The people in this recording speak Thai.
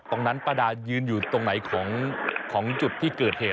ป้าดายืนอยู่ตรงไหนของจุดที่เกิดเหตุ